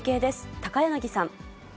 高柳さん。